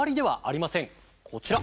こちら！